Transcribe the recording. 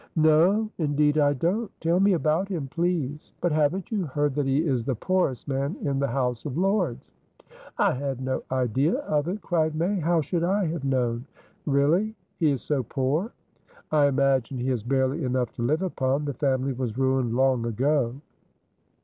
"No, indeed I don't. Tell me about him, please." "But haven't you heard that he is the poorest man in the House of Lords?" "I had no idea of it," cried May. "How should I have known? Really? He is so poor?" "I imagine he has barely enough to live upon. The family was ruined long ago."